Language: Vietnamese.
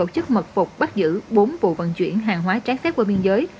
chức mật phục bắt giữ bốn vụ vận chuyển hàng hóa trái phép qua biên giới